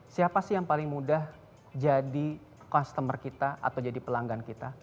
siapa sih yang paling mudah jadi customer kita atau jadi pelanggan kita